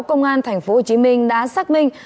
công an tp hcm đã xác minh